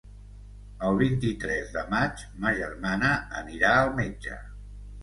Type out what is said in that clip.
El vint-i-tres de maig ma germana anirà al metge.